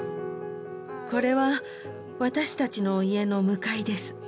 これは私たちの家の向かいです。